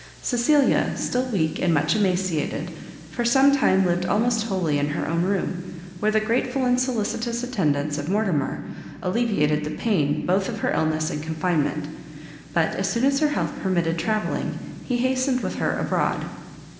Cecilia, still weak, and much emaciated, for some time lived almost wholly in her own room, where the grateful and solicitous attendance of Mortimer, alleviated the pain both of her illness and confinement: but as soon as her health permitted travelling, he hastened with her abroad.